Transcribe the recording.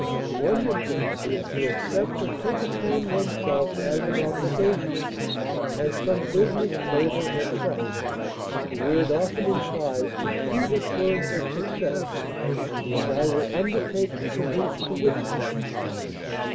To undertake is to accept or take upon oneself as an obligation, as some business, labor, or trust; the word often implies complete assurance of success; as, I will undertake to produce the witness.